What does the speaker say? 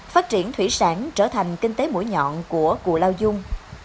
phát triển thủy sản trở thành kinh tế mũi nhọn của cù lao dung